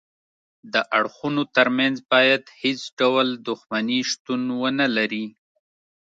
د اړخونو ترمنځ باید هیڅ ډول دښمني شتون ونلري